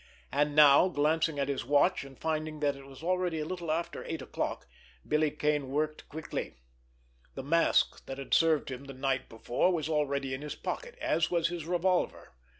And now, glancing at his watch and finding that it was already a little after eight o'clock, Billy Kane worked quickly. The mask that had served him the night before was already in his pocket, as was his revolver.